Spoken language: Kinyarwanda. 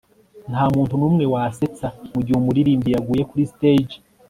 nta muntu numwe wasetsa mugihe umuririmbyi yaguye kuri stage